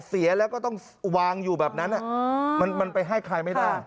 เสียแล้วก็ต้องวางอยู่แบบนั้นมันไปให้ใครไม่ได้